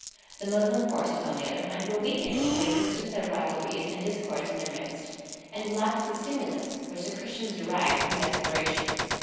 The Moslem forces, on the other hand, were weakened by the existence of rivalries and discords in their midst, and lacked the stimulus which the Christians derived from desperation.